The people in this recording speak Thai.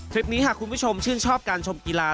คลิปนี้หากคุณผู้ชมชื่นชอบการชมกีฬา